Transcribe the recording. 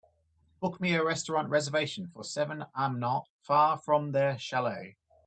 Book me a restaurant reservation for seven a.mnot far from their chalet